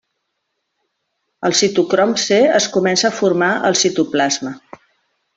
El citocrom c es comença a formar al citoplasma.